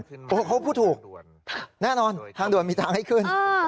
เพราะเขาพูดถูกแน่นอนทางด่วนมีทางให้ขึ้น